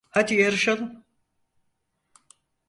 Hadi yarışalım.